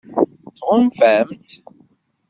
Tɣunfamt-tt?